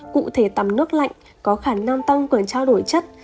cụ thể tắm nước lạnh có khả năng tăng quyển trao đổi chất